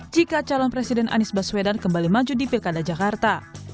jika calon presiden anies baswedan kembali maju di pilkada jakarta